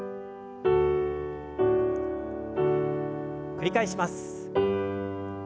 繰り返します。